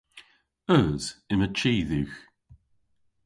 Eus. Yma chi dhywgh.